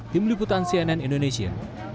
tim liputan cnn indonesia